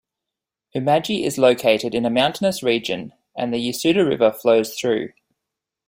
Umaji is located in a mountainous region, and the Yasuda River flows through.